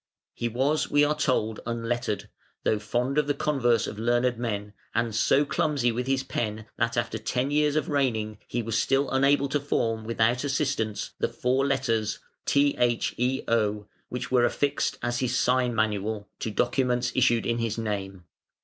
He was, we are told, unlettered, though fond of the converse of learned men, and so clumsy with his pen that after ten years of reigning he was still unable to form without assistance the four letters (THEO) which were affixed as his sign manual to documents issued in his name.